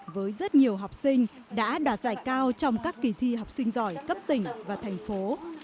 với rất nhiều học sinh đã đạt giải cao trong các kỳ thi học sinh giỏi cấp tỉnh và thành phố